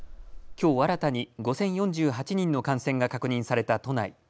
きょう新たに５０４８人の感染が確認された都内。